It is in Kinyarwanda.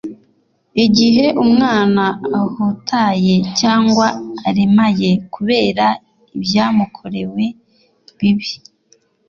igihe umwana ahutaye cyangwa aremaye kubera ibyamukorewe bibi